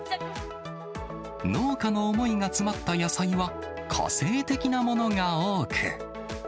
農家の思いが詰まった野菜は、個性的なものが多く。